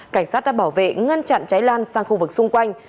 cảnh sát đã bảo vệ ngăn chặn cháy lan sang khu vực xung quanh